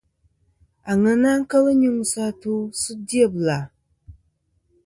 Aŋena kel nyuŋsɨ atu sɨ dyebla.